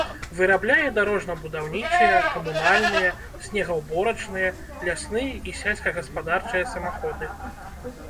Вырабляе дарожна-будаўнічыя, камунальныя, снегаўборачныя, лясныя і сельскагаспадарчыя самаходы.